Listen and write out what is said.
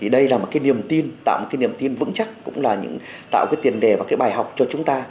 đây là một niềm tin vững chắc tạo tiền đề và bài học cho chúng ta